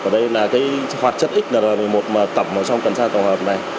ở đây là cái hóa chất xnr một mươi một mà tẩm ở trong cần sa tổng hợp này